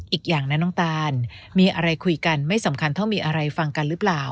อีกอย่างนะน้องตานมีอะไรคุยกันไม่สำคัญเท่ามีอะไรฟังกันหรือเปล่า